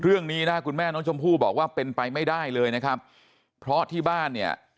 เรื่องนี้นะคุณแม่น้องชมพู่บอกว่าเป็นไปไม่ได้เลยนะครับเพราะที่บ้านเนี่ย